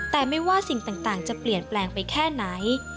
แต่ไม่ว่าสิ่งต่างจะเปลี่ยนแปลงไปแค่ไหน